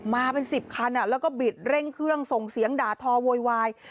มาเป็น๑๐คันแล้วก็บิดเร่งเครื่องส่งเสียงด่าทอโวยวาย